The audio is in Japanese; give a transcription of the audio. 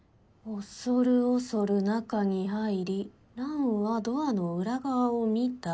「恐る恐る中に入り蘭はドアの裏側を見た。